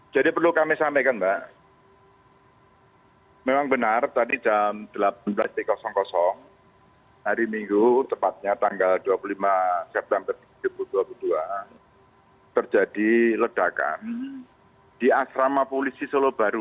jadi perlu kami sampaikan mbak memang benar tadi jam delapan belas hari minggu tepatnya tanggal dua puluh lima september dua ribu dua puluh dua terjadi ledakan di asrama polisi solo baru